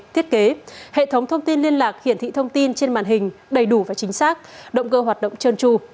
thiết kế hệ thống thông tin liên lạc hiển thị thông tin trên màn hình đầy đủ và chính xác động cơ hoạt động trơn tru